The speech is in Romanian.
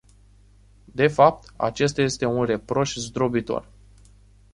De fapt, acesta este un reproș zdrobitor.